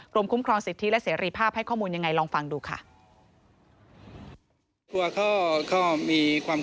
คุ้มครองสิทธิและเสรีภาพให้ข้อมูลยังไงลองฟังดูค่ะ